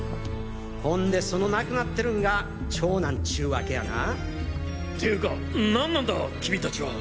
ほんでその亡くなってるんが長男っちゅうわけやな？っていうか何なんだ君達は。